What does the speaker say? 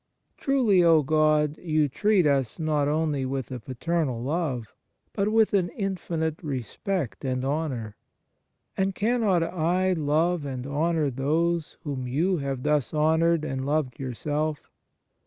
Truly, O God, You treat us not only with a paternal love, but with an infinite respect and honour ; and cannot I love and honour those whom You have thus honoured and loved Yourself